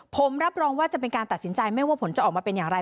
ผมรับรองว่าจะเป็นการตัดสินใจไม่ว่าผลจะออกมาเป็นอย่างไร